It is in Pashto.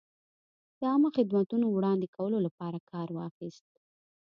د عامه خدمتونو د وړاندې کولو لپاره کار واخیست.